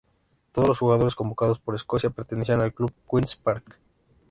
Todos los jugadores convocados por Escocia pertenecían al club Queen's Park.